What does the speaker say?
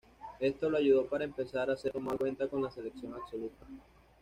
Esto lo ayudó para empezar a ser tomado en cuenta con la Selección Absoluta.